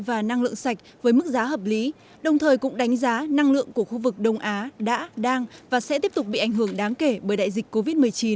và năng lượng sạch với mức giá hợp lý đồng thời cũng đánh giá năng lượng của khu vực đông á đã đang và sẽ tiếp tục bị ảnh hưởng đáng kể bởi đại dịch covid một mươi chín